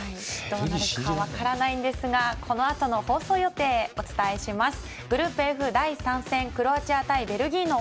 どうなるか分からないんですがこのあとの放送予定です。